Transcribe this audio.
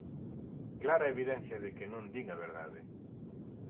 ¡Clara evidencia de que non din a verdade!